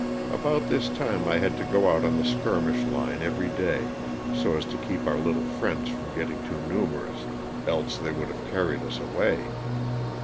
About this time I had to go out on the skirmish line every day, so as to keep our little friends from getting too numerous, else they would have carried us away.